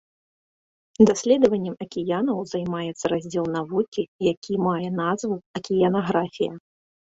Даследаваннем акіянаў займаецца раздзел навукі, які мае назву акіянаграфія.